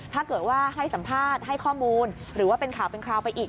ถ้าเกิดว่าให้สัมภาษณ์ให้ข้อมูลหรือว่าเป็นข่าวเป็นคราวไปอีก